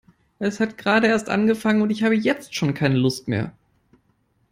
Es hat gerade erst angefangen und ich habe jetzt schon keine Lust mehr.